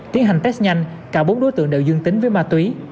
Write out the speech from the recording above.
tiến hành test nhanh cả bốn đối tượng đều dương tính với ma túy